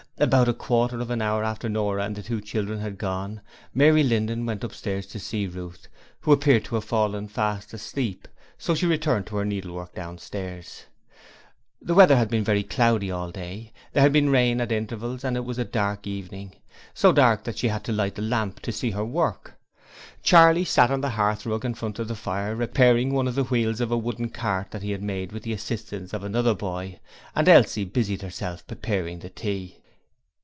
About a quarter of an hour after Nora and the two children had gone, Mary Linden went upstairs to see Ruth, who appeared to have fallen fast asleep; so she returned to her needlework downstairs. The weather had been very cloudy all day, there had been rain at intervals and it was a dark evening, so dark that she had to light the lamp to see her work. Charley sat on the hearthrug in front of the fire repairing one of the wheels of a wooden cart that he had made with the assistance of another boy, and Elsie busied herself preparing the tea.